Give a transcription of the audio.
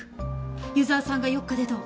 湯沢さんが４日で土。